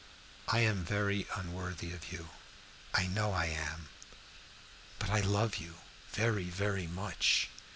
"I am very unworthy of you I know I am but I love you very, very much."